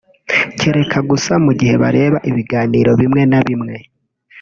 kereka gusa mu gihe bareba ibiganiro bimwe na bimwe